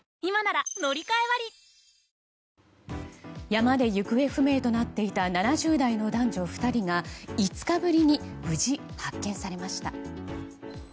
山で行方不明となっていた７０代の男女２人が５日ぶりに無事発見されました。